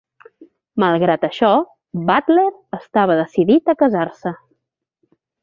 Malgrat això, Butler estava decidit a casar-se.